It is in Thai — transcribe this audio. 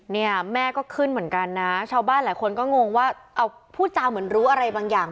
เนี่ยแม่ก็ขึ้นเหมือนกันนะชาวบ้านหลายคนก็งงว่าเอาพูดจาเหมือนรู้อะไรบางอย่าง